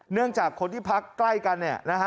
เนื่องจากคนที่พักใกล้กันเนี่ยนะฮะ